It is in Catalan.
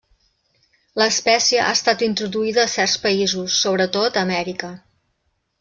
L'espècie ha estat introduïda a certs països, sobretot a Amèrica: